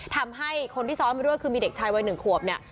ทำให้คนที่ซ้อนมาด้วยคือมีเด็กชายวัยหนึ่งขวบเนี่ย